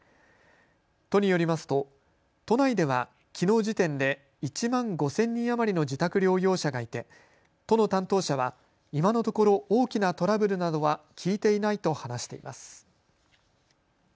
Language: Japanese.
都によりますと都内ではきのう時点で１万５０００人余りの自宅療養者がいて都の担当者は今のところ大きなトラブルなどは聞いていないと話しています。